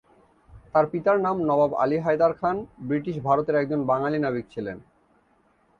তার পিতার নাম নবাব আলী হায়দার খান ব্রিটিশ ভারতের একজন বাঙালি নাবিক ছিলেন।